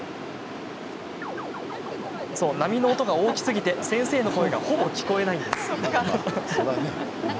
波の音が大きすぎて先生の声がほぼ聞こえないんです。